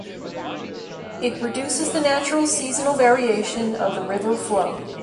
It reduces the natural seasonal variation of the river flow.